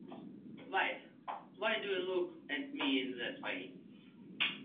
Wife, why do you look at me in that way?